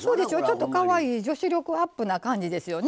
ちょっとかわいい女子力アップな感じですよね。